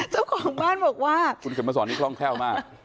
เจ้าของบ้านบอกว่าคุณเข็มมาสอนนี่คล่องแคล่วมาก